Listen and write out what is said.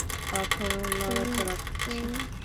পাথর নড়াচড়া করছে।